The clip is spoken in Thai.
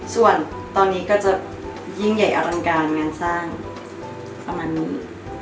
ส่วนตอนนี้ก็จะยิ่งใหญ่อลังการงานสร้างประมาณนี้